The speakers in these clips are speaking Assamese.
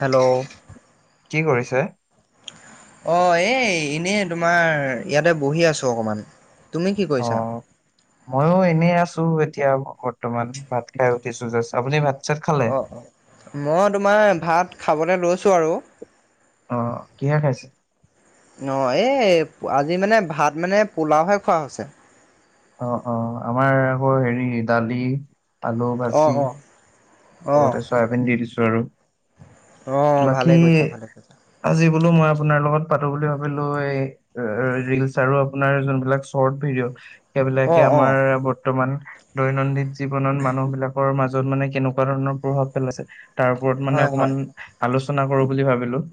হেল্ল' কি কৰিছে অঁ এই এনেই তোমাৰ ইয়াতে বহি আছো অকণমান তুমি কি কৰিছা অঁ, মই ওঁ এনেই আছো এতিয়া বৰ্তমান ভাত খাই উঠিছো আপুনি ভাত।। চাত খালে? অঁ অঁ মই তোমাৰ ভাত খাবলৈ লৈছোঁ আৰু আঁহ কিহে খাইছে অ এই আজি মানে ভাত মানে পোলাওঁহে খোৱা হৈছে অঁ', অঁ', আমাৰ আকৌ হেৰি দালি আলু অ ভাজি। অ অ লগতে চয়াবিন দি দিছো উম অ বাকী, ভালে কৰিছা ভালে কৰিছা আজি বোলো মই আপোনাৰ লগত পাতো বুলি ভাবিলো এই ৰিলচ আৰু আপোনাৰ যোনবিলাক চৰ্ট ভিডিঅ অ সেইবিলাকে অ আমাৰ বৰ্তমান দৈনন্দিন জীৱনত মানুহ বিলাকৰ মাজত মানে কেনে ধৰণৰ প্ৰভাৱ পেলাইছে তাৰ ওপৰত মানে হয় হয় অকণমান আলোচনা না কৰো বুলি ভাবিলো।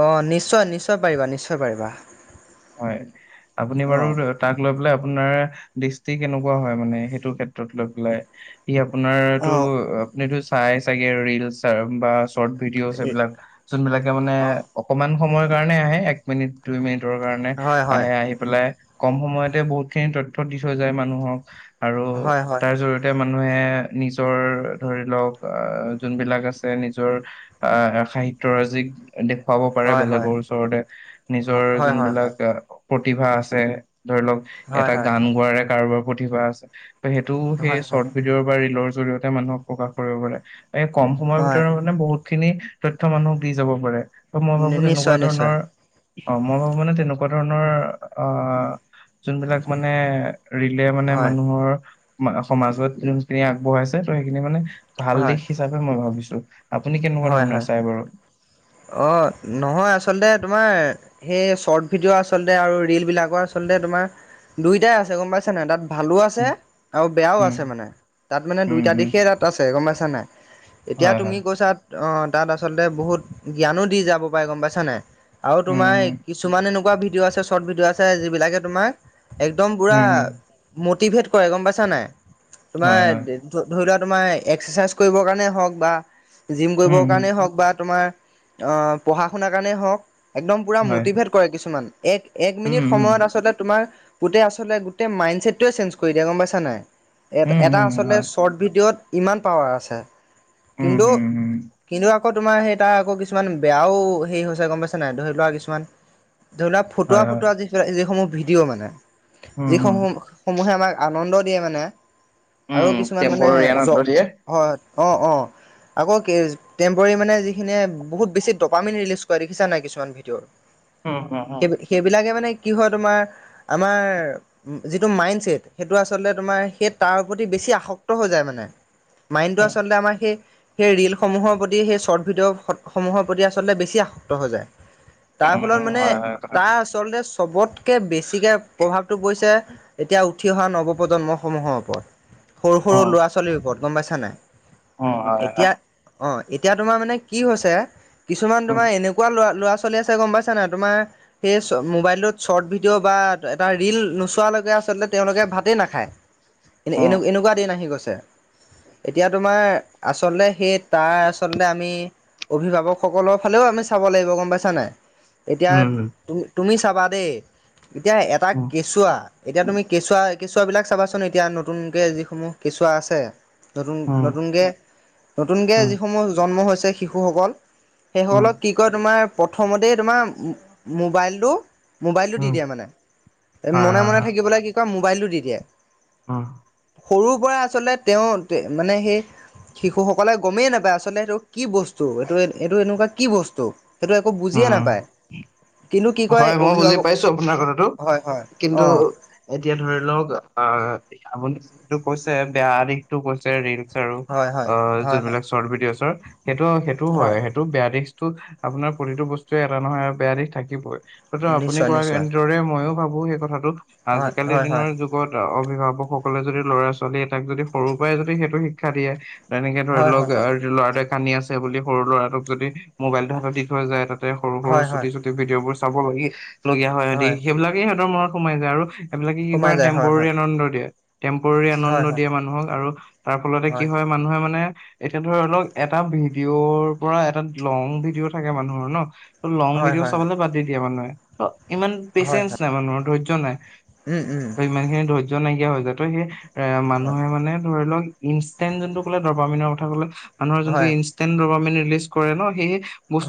অঁ', নিশ্চয়, নিশ্চয় পাৰিবা নিশ্চয় পাৰিবা। হয়। আপুনি অ বাৰু তাক লৈ পেলাই আপোনাৰ দৃষ্টি কেনেকুৱা হয় মানে? সেইটো ক্ষেত্ৰত লৈ পেলাই ই অ আপোনাৰতো আপুনিতো পায় চাগে, ৰিলচৰ বা চৰ্ট ভিডিওচ এইবিলাক যোনবিলাকে মানে অ অকমান সময় কাৰণে আহে এক এক মিনিট, দুই মিনিটৰ কাৰণে হয় হয় আহে, আহি পেলাই কম সময়তে বহুত খিনি তথ্য দি থৈ যায় মানুহক। আৰু হয় হয় তাৰ জৰিয়তে মান মানুহে নিজৰ ধৰি লওঁক আহ যোনবিলাক আছে নিজৰ আহ সাহিত্যৰাজিক দেখুৱাব পাৰে হয় হয় হয় বেলেগৰ ওচৰতে নিজৰ হয় হয় হয় যোনবিলাক আ প্ৰতিভা আছে। ধৰি লওঁক হয় এটা হয় গান গোৱাৰে কাৰোবাৰ প্ৰতিভা আছে অ সেইটো সেই হয় চৰ্ট ভিডিঅ'ৰ বা ৰিলৰ জৰিয়তে মানুহক প্ৰকাশ কৰিব পাৰে। এই কম সময়ৰ হয় ভিতৰত মানে বহুত খিনি তথ্য মানুহক দি যাব পাৰে। ত মই ভাবো তেনেকুৱা নিশ্চয় নিশ্চয় ধৰণৰ অ মই ভাবো মানে তেনেকুৱা ধৰণৰ আহ যোন বিলাক মানে ৰিলে মানে হয় মানুহৰ মা সমাজত যোনখিনি আগবঢ়াইছে তই সেইখিনি মানে ভাল হয় দিশ হিচাপে মই ভাবিছো [inaudible] আপুনি কেনেকুৱা হয় ধৰণৰ হয় চায় বাৰু অ নহয় আচলতে তোমাৰ সেই চৰ্ট ভিডিঅ' আচলতে আৰু ৰিলবিলাকো আচলতে তোমাৰ দুয়োটাই আছে গম পাইছানে নাই তাত ভালো আছে উম আৰু বেয়াও উম আছে মানে তাত মানে উম দুইটা উম। দিশেই তাত আছে গম পাইছা। নাই। [unintelligible] এতিয়া হয় তুমি হয় কৈছা অ তাত আচলতে বহুত জ্ঞানো দি যাব পাৰে গম পাইছানে নাই আৰু তোমাৰ উম কিছুমানেনো - ভিডিঅ আছে চৰ্ট ভিডিঅ আছে যি বিলাক তোমাৰ একদম পুৰা উম, হুম, মটিভেট কৰে গম পাইছা নাই তোমাৰ হয়, হয়। ধৰি লোৱা তোমাৰ এক্সাৰচাইজ কৰিবৰ কাৰণে হওক বা জিম উম, কৰিবৰ উম, কাৰণেই হওক বা তোমাৰ আহ পঢ়া শুনাৰ কাৰণেই হওক একদম পুৰা হয়। মটিভেট কৰে কিছুমান এক এক উম, মিনিট উম, সময়ত আচলতে তোমাৰ গোতেই আচলতে গোতে মাইঞ্চেটোৱে চেঞ্জ দিয়ে গম পাইছা নাই উম, এটা উম, আচলতে হয়। শ্বৰ্ট ভিডিঅ'ত ইমান পাৱাৰ আছে উম, কিন্তু হুম, হুম, কিন্তু তোমাৰ সেই এটা আকৌ কিছুমান বেয়াও হেৰি হৈছে গম পাইছো নাই ধৰি লোৱা কিছুমান ধৰি ললা ফটুৱা হয়, হয়। ফুটুৱা যি যিসমূহ ভিডিঅ' মানে উম, যি হুম, সমূহ সমূহে আমাক আনন্দ কৰি [unintelligible] মানে আৰু উম, কিছুমান মানে টেম্পৰৰী জ আনন্দ দিয়ে। হয় অ অ আকৌ টেম্পৰী মানে যি সখিনে বহুত বেছি দপামিন ৰিলীজ কৰে দেখিছ নাই কিছুমান ভিডিঅত উম, উম, উম, সেই সেইবিলাকে মানে কি হয় তোমাৰ আমাৰ যিটো মাইণ্ডচছেট সেইটো আচলতে তোমাৰ সেই তাৰ প্ৰতি বেছি আসক্ত হৈ যায় মানে মাইণ্ডটো উম, আচলতে আমাৰ সেই সেই ৰিলসমূহৰ প্ৰতি সেই শৰ্ট ভিডিঅ'সমূহৰ প্ৰতি আচলতে বেছি আসক্ত হৈ যায় তাৰ উম, ফলত উম, মানে হয়, হয় কথাটো। তাৰ আচলতে চবতকে বেছিকে প্ৰভাৱটো পৰিছে এতিয়া উঠি অহা নৱপ্ৰজন্মসমূহৰ ওপৰত সৰু সৰু ল'ৰা ছোৱালীৰ ওপৰত গম পাইছা নাই উ হয় হয় অঁ এতিয়া তোমাৰ মানে কি হৈছে কিছুমান উম, তোমাৰ এনেকুৱা লৰা ল'ৰা চলি আছে গম পাইছা নাই তোমাৰ সেই মোবাইলটোত শ্বৰ্ট ভিডিঅ' বা এটা ৰীল নোচোৱালৈকে আচলতে তেওঁলোকে ভাতেই নাখায় এনে উম, এনে এনেকুৱা দিন আহি গৈছে এতিয়া তোমাৰ আচলতে সেই তাৰ আচলতে আমি অভিভাৱকসকলৰ ফালেও আমি চাব লাগিব গম পাইছা নাই এতিয়া উম, তু তুমি ঠাবাদে এতিয়া এটা উম, কেঁচুৱা এতিয়া তুমি কেঁচুৱা কেঁচুৱা বিলাক চাবাচোন এতিয়া নতুনকে যিসমূহ কেঁচুৱা আছে নতুন উম, নতুনকে নতুনকে উম, যিসমূহ জন্ম হৈছে শিশুসকল উম, সেইসলক কি কয় তোমাৰ প্ৰথমতেই তোমাৰ মোবাইলটো মোবাইলটো দি উম, দিয়ে মানে হয়, মনে মনে থাকিবলে কি ক মোবাইলটো দি ত [unintelligible] অ সৰুৰ পৰা আচলতে তেওঁ মানে সেই শিশুসকলে গমেই নাপায় আচলতে সেই কি বস্তু এইটো এইটো এনেকুৱা কি বস্তু সেইটো একো বুজিয়ে উম, নাপায় কিন্তু কি কয় হয় মই বুজি অভিভাৱক পাইছো আপোনাৰ কথাটো হয় হয় কিন্তু অ এতিয়া ধৰি লওক আহ আপুনি যিটো কৈছে বেয়া দিশটো কৈছে ৰিলচ হয় হয় হয় হয় যিবিলাক চৰট ভিডিঅ' হয় সেইটো হয় সেইটো বেয়া ভিডিঅ' [unintelligible] আপোনাৰ প্ৰতিটো বস্তুৱে এটা নহয় আৰু বেয়া দিশ থাকে শিবই [unintelligible] ত আপুনি নিশ্চয় ক নিশ্চয় এনেদৰে মইও ভাবো সেই কথাটোক হয় আজিকালি হয় হয় দিনৰ যুগত অ অভিভাৱকসকলে যদি ল'ৰা ছোৱালী এটাক যদি সৰু পৰাই যদি সেইটো শিক্ষা দিয়ে তেনেকে ধৰি হয় লওক হয় লৰা কানি আছে বুলি সৰু ল'ৰাটোক যদি মোবাইলটো হাতত দি থৈ যায় ত সৰু সৰু হয় হয় হয় ছুটি চুটি ভ বোৰ চাব লাগে লগীয়া হয় সহতি সেইবিলাকে সিহঁতৰ মনত [unintelligible] সোমাই যায়। আৰু, এইবিলাকে কি সোমাই কৰে যায় হয় টেম্পৰৰী হয় আনন্দ দিয়ে, টেম্পৰৰী আনন্দ হয় দিয়ে মানুহক আৰু তাৰ ফলতে কি হয় মানুহে মানে এতিয়া ধৰি লওক এটা ভিডিঅ'ৰ পৰা এটা লং ভিডিঅ' থাকে মানুহৰ ন লং হয় হয় ভিডিঅ' হয় চাবলৈ বাদ দি দিয়ে মানুহে। হয় [unintelligible] ইমান হয় পেচেন্ঞ্চ হয় নাই মানুহৰ ধহ্য নাই। উম উম ত ইমান খিনি ধৈজ নাই, হৈ যায়, ত সেই এ হয় মানুহে মানে ধৰি লওক, ইনষ্টেণ্ট যোনটো ক'লে, দৰবামিনৰ কথা কলে, মানুহৰ যোনটো হয় ইনষ্টৈন্ট গভাব মেলি প্লিচ কৰে ন সি,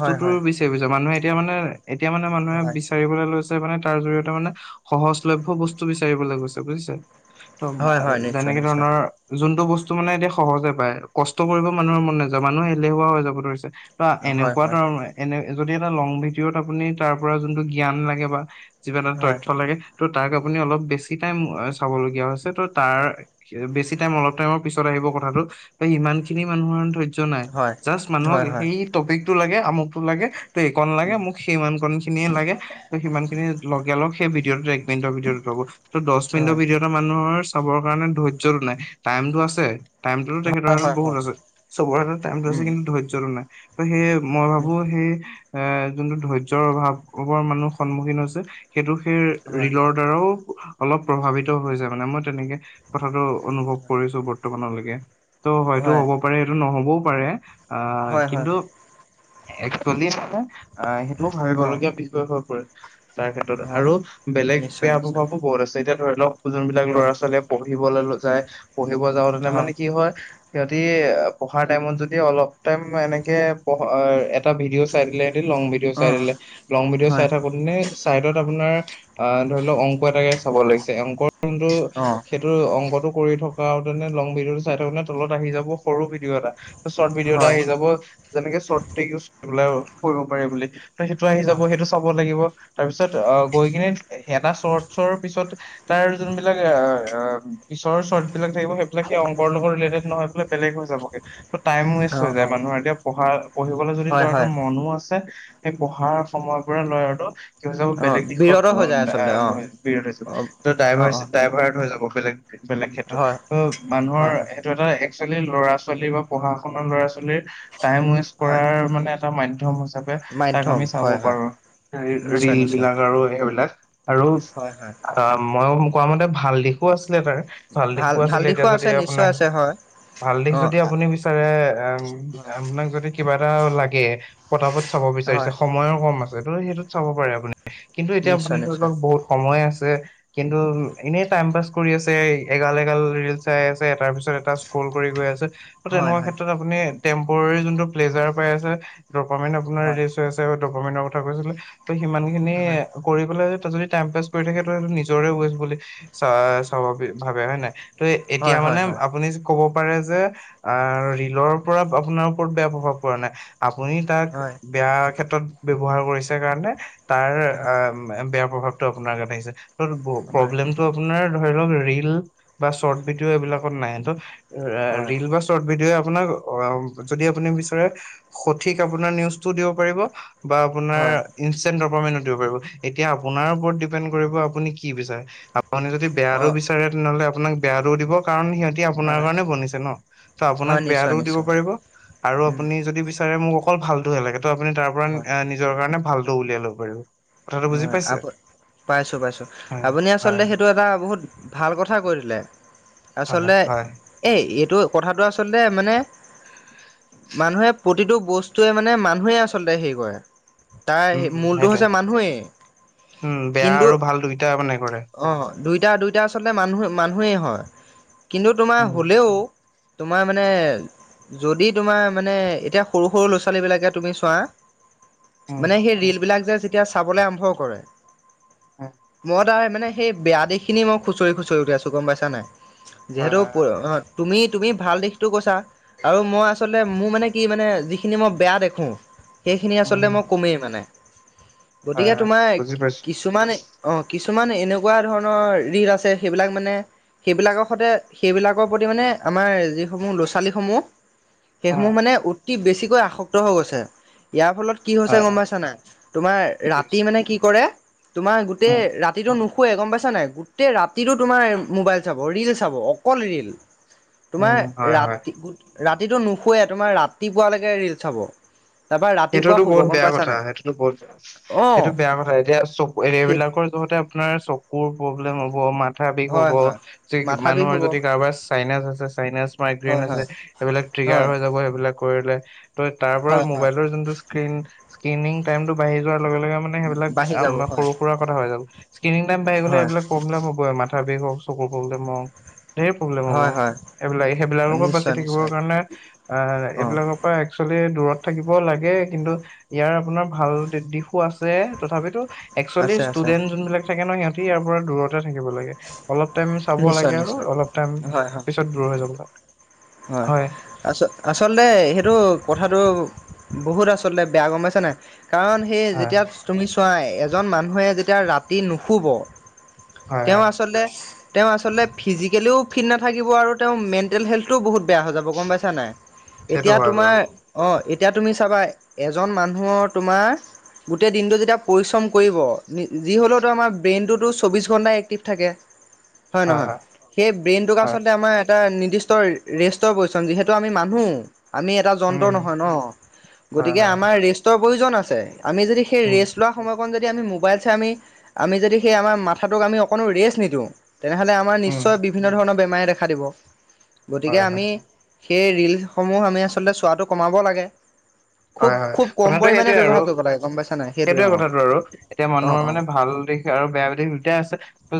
হয় হয় বিচাৰি ফুইছে মানুহে, এতিয়া মানে, এতিয়া মানে মানুহে হয় বিচাৰিবলৈ লৈছে। মানে তাৰ জৰিয়তে মানে সহজলভ্য বস্তু বিচাৰিবলৈ গৈছে বুজিছে। ত হয় হয় নিশ্চয় তেনেকে নিশ্চয় ধৰণৰ যোন, সেটো বস্তু মানে এতিয়া সহজে পায়, কষ্ট কৰিব মানুহৰ মন নাযায়। মানুহে এলেহুৱা হৈ যাব ধৰিছে। ত হয় এনেকুৱা হয় ধৰণ এনে, যদি এটা লং ভিডিঅ'ত আপুনি তাৰ পৰা যোনটো জ্ঞান লাগে বা, জীৱনত হয় তথ্য লাগে। ত' তাক আপুনি অলপ বেছি টাইম চাবলগীয়া হৈছে, ত তাৰ বেছি টাইম অলপ টাইমৰ পিছত আহিব কথাটো, ত ইিমান খিনি মানুহৰ ধৈৰ ধহ্য নাই। হয় জাষ্ট মানুহৰ হয় হয় সেই টপি টো লাগে, আমুকটো লাগে তে একো নালাগে মোক সেই ইমান কন খিনিয়ে লাগে। ত সিমান খিনি লগে লগ সেই ভিডিঅ'ত এক মিনিটৰ ভিডিঅ ৰ'ব, ত দহ মিনিটৰ হয় ভিডিঅ'ৰ মানুহৰ চাবৰ কাৰণে ধৈয্যটো নাই। টাইমতটো আছে টাইমটো তেখেতৰ হয় হাতত হয় বহুত হয় আছে। চবৰ হাতত টাইম টো আছে উম কিন্তু ধৈৰ্যটো নাই। ত সেই মই ভাবো উম সেই, অঁ যোনটো ধৈৰ্যৰ অভাৱৰ মানুহ সন্মুখীন হৈছে সেইু সেই হয় ৰিলৰ দ্বাৰাও অলপ প্ৰভাৱিত হৈ যায় মানে মই তেনেকে কথাটো অনুভৱ কৰিছো বৰ্তমানলৈকে ত' হয়তটো হয় হ'ব পাৰে সেইটো নহ'ব পাৰে আঁহ হয় হয় কিন্তু হয় একচোয়েলি মানে অঁ সেইটোও অ ভাবিবলগীয়া পছৈ পৰে তাৰ ক্ষেত্ৰত হয় আৰু বেলেগ নিশ্চয় বেয়া নিশ্চয় প্ৰভাৱো বহুত আছে এতিয়া ধৰি লওক যোনবিলাক অ ল'ৰা ছোৱালীয়ে পঢ়িবলৈ ল যাই পঢ়িব যাওঁতেনে অ মানে কি হয় সিহঁতি পঢ়াৰ টাইমত যদি অলপ টাইম এনেকৈ পঢ এটা ভিডিঅ' চাই দিলে লং ভিডিঅ' অ চাই দিলে লং ভিডিঅ' চাই হয় থাকোতে নে চাইডত আপোনাৰ অঁ ধৰি লওক অংক এটাকে চাব লাগিছে অংক কিন্ত অ সেইটোৰ অংকটো কৰি থকাওতেনে লং বিধো চাই থাকো নে তলত আহি যাব সৰু বি ভিডিঅ' এটা চৰ্ট ভিডিঅ' এটা হয় আহি যাব যেনেকে চৰ্ট কৰিব পাৰে বুলি। তো সেইটো আহি অ যাব সেইটো চাব লাগিব। তাৰ পিছত আহ গৈ কিনে এ এটা চৰ্টচৰ পিছত তাৰ যোনবিলাক আঁহ আঁহ পিছৰ চৰ্ট বিলাক থাকিব সেইবিলাক সেই অংগৰ লগত ৰিলেটেড নহয় বলে বেলেগ হৈ যাবগে। টাইম ৱেষ্ট হৈ যায় অ মানুহৰ এতিয়া পঢ়া, পঢ়িবলৈ যদি হয় ল'ৰাটোৰ হয় [unintelligible] সেই পঢ়াৰ সময়ৰ পৰা ল'ৰাটো কি হৈ যাব অ বেলেগ দিশত বিৰত হৈ যায় আচলতে অ অ [unintelligible] ত অ ড্ৰাইভাৰ অ ড্ৰাইভাৰট হৈ যাব। বেলেক বেলেগ ক্ষেত্ৰত, হয় তো মানুহৰ হয় হয় সেইটো এটা [unintelligible] ল'ৰা ছোৱালী বা পঢ়া শুনাৰ ল'ৰা ছোৱালীৰ টাইম ৱেষ্ট হয় কৰাৰ মানে মাধ্যম হৈছ হিচাপে তাক মাধ্যম আমি চাব হয় হয় পাৰো, ৰিল নিশ্চয় ৰিল নিশ্চয় বিলাক আৰু সেইবিলাক। আৰু। হয় হয় অঁ, মইও কোৱা মতে ভাল দিশো আছে [unintelligible] ভাল দিশো ভাল আছিলেই এতিয়া যদি আছে নিশ্চয় আপোনাৰ, আছে হয় ভাল দিশ অ যদি আপুনি বিচাৰে [unintelligible] হয় আপোনাক যদি কিবা [unintelligible] লাগে। পতা পত চাব বিচাৰিছে হয় সময়ৰ কম [unintelligible] সেইটোত চাব পাৰে আপুনি কিন্তু এতিয়া আপুনি নিশ্চয় ধৰি নিশ্চয় লক বহুত সময় আছে কিন্তু, এনেই টাইম পাছ কৰি আছে, এগাল এগাল ৰিল চাই আছে তাৰ পিছত এটা স্ক্ৰল কৰি গৈ আছে। হয় তেনেকুৱা হয় ক্ষেত্ৰত আপুনি টেম্পৰী জোনটো প্লেজাৰ পাই আছে দোপামিন আপোনাৰ হয় [unintelligible] [unintelligible] কথা কৈছিলে সিমান খিনি হয় কৰি পেলাই যদি টাইম পাছ কৰি থাকেতো নিজৰে ৱেষ্ট বুলি, স্বা স্বাভাৱিক ভাবে হয়ে নাই। [unintelligible] এতিয়া হয় হয় মানে হয় আপুনি ক'ব [unintelligible] অ, ৰিলৰ পৰা আপোনাৰ ওপৰত বেয়া প্ৰভাৱ পৰা নাই। আপ আপুনি তাক হয় বেয়া ক্ষেত্ৰত ব্যৱহাৰ কৰিছে কাৰণে তাৰ এ বেয়া প্ৰভাৱ [unintelligible] আহিছে। [unintelligible] হয় হয় প্ৰব্লেমটো আপোনাৰ ধৰি লওক ৰিল বা শৰ্ট ভিডিঅ' এইবিলাকত নাই ত ৰিল বা শ্বৰ্ট ভিডিঅ' আপোনাক অ যদি আপুনি বিচাৰে সঠিক আপোনাৰ নিউজটো দিব পাৰিব বা আপোনাৰ হয় হয় ই [unintelligible] এতিয়া আপোনাৰ ওপৰত দ্বিপেন কৰিব আপুনি কি বিচাৰে [unintelligible] আপুনি যদি বেয়াৰো অ বিচাৰে তেনেহলে আপোনাক বেয়াটো দিব কাৰণ সিহঁ ব ন হয় আক হয় [unintelligible] ব নিশ্চয় দিব নিশ্চয় পাৰীব আৰু উম আপুনি য [unintelligible] মোক অকল ভালটোহে লাগে আপুনি তাৰ পৰা হয় নিজৰ কাৰণে ভাল উলিয়াই লব পাৰিব কথাটো বুজি হয় আ পাইছে? পাইছো পাইছো হয়, আপুনি হয়, আচলতে সেইটো এটা বহুত ভাল কথা কথা কৰিলে হয়, আচলতে হয়। এই এইটো কথাটো আচলতে মানে মানুহে প্ৰতিটো বস্তুৱে মানে মানুহে আচলতে হেৰি কৰে তাৰ উম, মূলটো হৈছে সেইটোৱে। মানুহেই উম, বেয়া কিন্তু আৰু ভাল দুইটা মানে কৰে। অ দুইটা দুইটা আচলতে মানুহ মানুহেই হয় কিন্তু তোমাৰ উম, হ'লেও তোমাৰ মানে উম, যদি তোমাৰ মানে এতিয়া সৰু সৰু ল'ৰা ছোৱালীবিলাকে তুমি চোৱা উম, মানে সেই ৰিল বিলাক যে যেতিয়া চাবলৈ কৰে হয়, [inaudible] সেই বেয়া দিশখিনি মই খুচৰি খুচৰি উলিয়াইছো গম পাইছা নে নাই হয়, যিহেতু হয়। [inaudible] তুমি তুমি ভাল দিশটো কৈছা আৰু মই আচলতে মোৰ মানে কি মানে যিখিনি মই বেয়া দেখোঁ সেইখিনি আচলতে উম, মই ক'মেই মানে হয়, গতিকে হয়, তোমাৰ বুজি পাইছোঁ। কিছুমান অ কিছু কিছুমান এনেকুৱা ধৰণৰ ঋণ আছে সেইবিলাক মানে সেইবিলাকৰ সৈতে সেইবিলাকৰ প্ৰতি মানে আমাৰ যিসমূহ ল'ৰা ছোৱালীসমূহ অ', সেইসমূহ মানে উ অ বেছিকৈ আসক্ত হৈ গৈছে ইয়াৰ ফলত কি হৈছে হয়, গম হয়, পাইছা নাই তোমাৰ ঠিক ৰাতি তি আছে। মানে কি কৰে তোমাৰ গোটেই উম, ৰাতিটো নুশু খুৱে গম পাইছা নাই গোটেই ৰাতিতো তোমাৰ মোবাইল চাব ৰিল চাব অকল ৰিল তোমাৰ উম, হয়, হয়। ৰাতি [inaudible] ৰাতিটো নুশুৱে তোমাৰ ৰাতিপুৱালৈকে ৰিল চাব তাৰপৰা ৰাতিপুৱা সেইটোতো শুব বহুত গম বেয়া পাইছা কথা নাই? সেইটোতো বহুত বেয়া অ' সেইটো বেয়া কথা এতিয়া চকু সেই এইবিলাকৰ যহতে আপোনাৰ চকু চকুৰ প্ৰব্লেম হ'ব আমাৰ মাঠা বিষ 'ব হয় হয়। যে মাথা বিষ মানুহৰ হ'ব যদি কাৰোবাৰ চাইনাছ আছে চাইনাজ মাইগ্ৰেইন হয় আছে হয় এইবিলাক ট্ৰিগাৰ হয় হৈ যাব সেইবিলাক কৰিলে [inaudible] তই তাৰ পৰাই হয় হয় মোবাইল তো স্কিন স্কিনিং টাইমতো বাহি যোৱা লগে লগে মানে সেইবিলাক বাঢ়ি আম যাব হয় সৰু সুৰা কথা হৈ যাব তিনি টাইম পাই গ'লে হয় এইবাক প্ৰব্লেম হ'ব আমাত তাকে ক চকু প্ৰব্লেম অ ধেৰ প্ৰব্লেম হ'ব হয় হয় এইবিলাক সেইবিলাকৰ পৰা বাচি নিশ্চয় থাকিবৰ নিশ্চয় কাৰণে অ' এইবিলাকৰ পৰা একচুৱেলি দূৰত থাকিব অ লাগে কিন্তু ইয়াৰ আপোনাৰ ভাল দিশ আছে তথাপিতো একচুৱেলি আছে আছে ষ্টুডেন্ট যোনবিলাক থাকে ন সিহঁত ইয়াৰ পৰা দূৰতে থাকিব লাগে অলপ টাইম চাব নিশ্চয় লাগে আৰু নিশ্চয়। অলপ টাইম হয় হয় পিছত দূৰ হৈ যাব লাগে হয় আ আচলতে সেইটো কথাটো বহুত আচলতে বেয়া গৰম পাইছে নে কাৰণ সেই হয় যেতিয়া তুমি পাই এজন মানুহে যেতিয়া ৰাতি নুশুব হয় তেওঁ হয় আচলতে তেওঁ আচলতে ফিজিকেলিও ফিট নাথাকিব আৰু তেওঁ মেণ্টেল হেল্থ তো বহুত বেয়া হৈ যাব গম পাইছা নাই সেইটো এতিয়া হয় তোমাৰ বাৰু অ এতিয়া তুমি চাবা এজন মানুহৰ তোমাৰ গোটেই দিনটো যেতিয়া পৰিশ্ৰম কৰিব যি হ'লেওতো আমাৰ ব্ৰেইনটোতো চৌববিছ ঘণ্টাই এক্টিভ থাকে হয় নহয় সেই ব্ৰেইনটোক হয় আচলতে আমাৰ এটা নিৰ্দিষ্ট ৰেষ্টৰ প্ৰয়োজন যিহেতু আমি মানুহ আমি এটা যন্ত্ৰ উম নহয় ন হয় গতিকে হয় হয় আমাৰ ৰেষ্টাৰ প্ৰয়োজন আছে আমি যদি সেই উম ৰেষ্টা লোৱা সময়ত অকণ যদি আমি মোবাইল চাই আমি আমি যদি সেই আমাৰ মাথাাটোক আমি অকণো ৰেষ্ট নিদিওঁ তেনেহলে আমাৰ উম নিশ্চয় বিভিন্ন ধৰণ বেমাৰী দেখা দিব গতিকে হয় আমি হয় সেই ৰিলসমূহ আমি আচলতে চোৱাটো কমাব লাগে খুব হয় হয় খুব কম কথাটো পৰিমাণে সেইটোয়ে আৰু ব্যৱহাৰ কৰিব লাগে গম পাইছা নাই সেইটোৱে সেইটোয়ে অ কথাটো আৰু এতিয়া অ মানুহৰ অ মানে ভাল দিশ আৰু বেয়া দিশ দুটাই আছে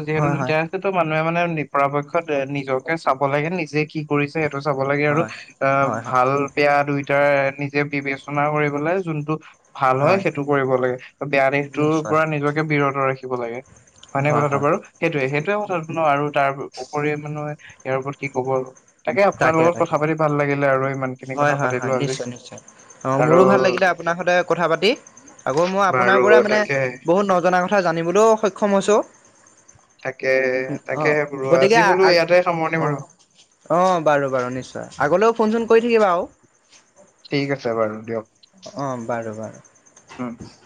যিহেতু হয় হয় দুটাই আছে ত ম মানুহে মানে নিজৰপক্ষত নিজকে চাব লাগে নিজে কি কৰিছে সেইটো চাব লাগে আৰু হয় অ হয় হয় ভাল বেয়া দুই নিজেৰে‌ নিজে পিভি ৰচনা কৰিবলে যোনটো ভাল হয় সেইটো কৰিব লাগে বেয়া দেশটোৰ নিশ্চয় পৰা নিজকে বিৰট ৰাখিব লাগে হয়নে হয় কথাটো হয় বাৰু হয় সেইটোয়ে সেইটোয়ে মঠাতনো আৰু তাৰ উপৰি মানহূ ইয়াৰ ওপৰত কি কব তাকে আপোনাৰ লগত কথা পাতি ভাল লাগিলে আৰু ইমান খিনি কথা পাতিলো আজি অঁ আৰু মোৰো ভাল লাগিলে আপোনাৰ সৈতে কথা পাতি আকৌ মই বাৰু আপোনাৰ পৰা মানে তাকে বহুত নজনা কথা জানিবলৈও সক্ষম হৈছোঁ তাকে তাকেহে বোলো গতিকে আজি বোলো ইয়াতে সামৰণি বাৰু অঁ বাৰু বাৰু নিশ্চয় আগলৈও ফোন চোন কৰি থাকিবা আৰু ঠিক আছে বাৰু দিয়ক অঁ বাৰু উম বাৰু